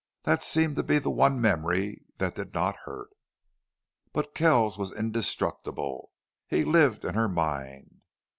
That seemed to be the one memory that did not hurt. But Kells was indestructible he lived in her mind.